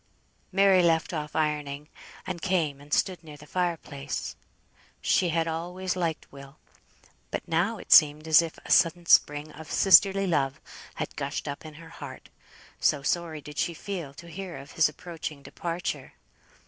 Mary left off ironing, and came and stood near the fire place. She had always liked Will; but now it seemed as if a sudden spring of sisterly love had gushed up in her heart, so sorry did she feel to hear of his approaching departure.